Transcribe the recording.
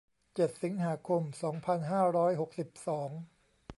เจ็ด สิงหาคม สองพันห้าร้อยหกสิบสอง